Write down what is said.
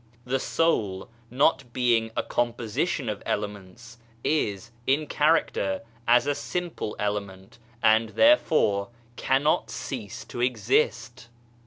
The Soul, not being a composi tion of elements, is, in character, as a simple element, and therefore cannot cease to exist.